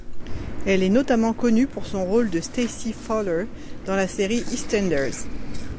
Elle est notamment connue pour son rôle de Stacey Fowler dans la série Eastenders.